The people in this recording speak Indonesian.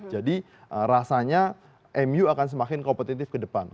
jadi rasanya mu akan semakin kompetitif ke depan